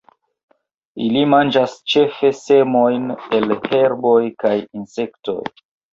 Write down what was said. Ili manĝas ĉefe semojn el herboj kaj insektoj.